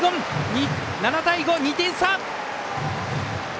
７対５、２点差！